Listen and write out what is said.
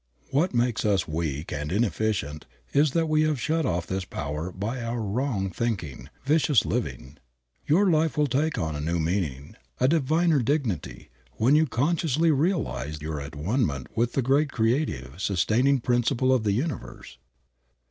What makes us weak and inefficient is that we have shut off this power by our wrong thinking, vicious living. Your life will take on a new meaning, a diviner dignity, when you consciously realize your at one ment with the great creative, sustaining Principle of the universe.